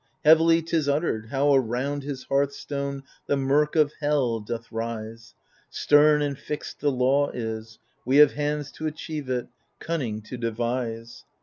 Heavily 'tis uttered, how around his hearthstone The mirk of hell doth rise. Stem and flxed the law is ; we have hands t' achieve it, Cunning to devise.